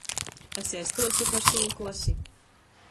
Es jai stuostu par sovu klasi.